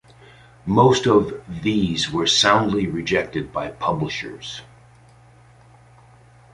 Most of these were soundly rejected by publishers.